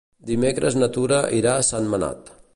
Dimecres na Tura irà a Sentmenat.